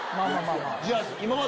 じゃあ今まで。